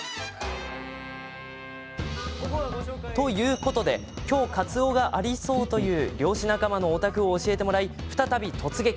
ということで今日かつおがありそうという漁師仲間のお宅を教えてもらい再び突撃。